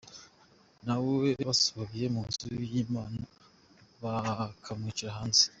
Nawe basohoye mu nzu y’Imana bakakwicira hanze